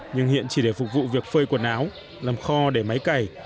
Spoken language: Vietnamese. nhưng hiện chỉ để phục vụ việc phơi quần áo làm kho để máy cày